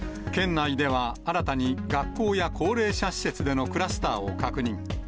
県内では新たに、学校や高齢者施設でのクラスターを確認。